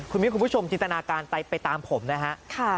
คุณมิ้นคุณผู้ชมจินตนาการไปตามผมนะฮะ